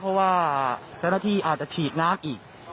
เพราะตามวิทยาลัยอาจฉีกน้ำอีก